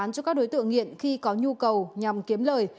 cho các đối tượng nghiện khi có nhu cầu nhằm kiếm lời